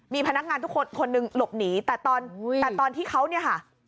มีพนักงานทุกคนคนหนึ่งหลบหนีแต่ตอนแต่ตอนที่เขาเนี่ยค่ะ